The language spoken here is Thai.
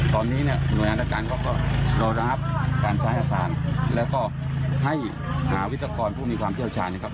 ตอนนี้เนี่ยหน่วยงานอาการเขาก็รอระงับการใช้อาการแล้วก็ให้หาวิทยากรผู้มีความเชี่ยวชาญนะครับ